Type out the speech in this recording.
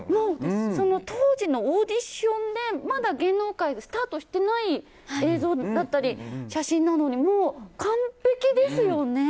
当時のオーディションでまだ芸能界をスタートしてない映像だったり写真なのに、もう完璧ですよね。